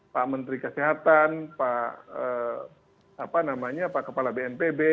pak menteri kesehatan pak kepala bnpb